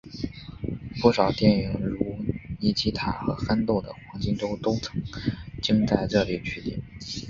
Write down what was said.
不少电影如尼基塔和憨豆的黄金周都曾经在这里取景。